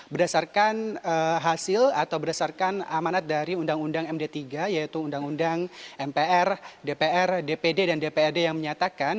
berdasarkan hasil atau berdasarkan amanat dari undang undang md tiga yaitu undang undang mpr dpr dpd dan dprd yang menyatakan